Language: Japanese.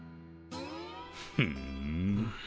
ふん。